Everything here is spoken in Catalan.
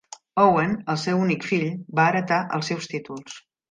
Owen, el seu únic fill, va heretar els seus títols.